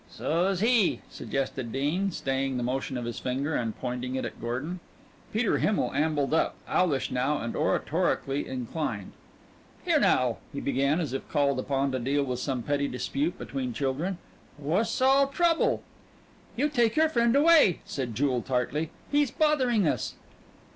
"So's he," suggested Dean, staying the motion of his finger and pointing it at Gordon. Peter Himmel ambled up, owlish now and oratorically inclined. "Here now," he began as if called upon to deal with some petty dispute between children. "Wha's all trouble?" "You take your friend away," said Jewel tartly. "He's bothering us."